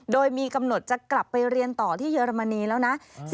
โดยมีกำหนดจะกลับไปเรียนต่อที่เยอรมนีแล้วนะ